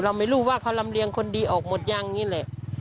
ไม่รู้ว่าเขาลำเลียงคนดีออกหมดยังนี่แหละ